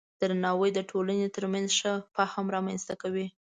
درناوی د ټولنې ترمنځ ښه فهم رامنځته کوي.